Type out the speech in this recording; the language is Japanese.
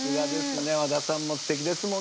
和田さんもすてきですもん。